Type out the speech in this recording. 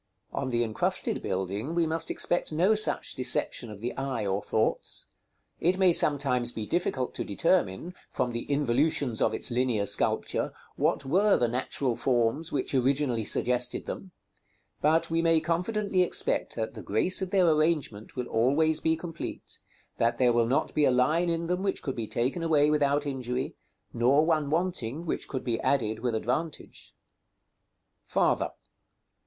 On the incrusted building we must expect no such deception of the eye or thoughts. It may sometimes be difficult to determine, from the involutions of its linear sculpture, what were the natural forms which originally suggested them: but we may confidently expect that the grace of their arrangement will always be complete; that there will not be a line in them which could be taken away without injury, nor one wanting which could be added with advantage. § XLI. Farther.